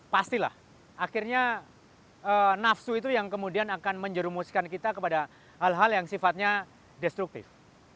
pastilah akhirnya nafsu itu yang kemudian akan menjerumuskan kita kepada hal hal yang sifatnya destruktif